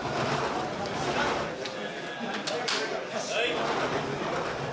はい。